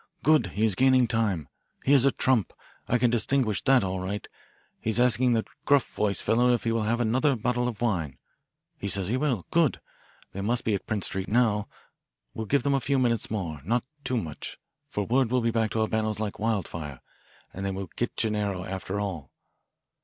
"Good he is gaining time. He is a trump. I can distinguish that all right. He's asking the gruff voiced fellow if he will have another bottle of wine. He says he will. Good. They must be at Prince Street now we'll give them a few minutes more, not too much, for word will be back to Albano's like wildfire, and they will get Gennaro after all.